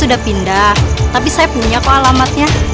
sudah pindah tapi saya punya kok alamatnya